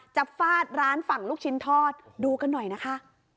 ฟาดร้านฝั่งลูกชิ้นทอดดูกันหน่อยนะคะ